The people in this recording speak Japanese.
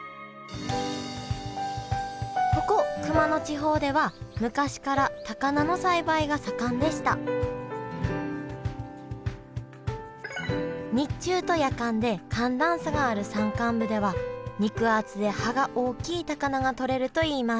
ここ熊野地方では昔から高菜の栽培が盛んでした日中と夜間で寒暖差がある山間部では肉厚で葉が大きい高菜がとれるといいます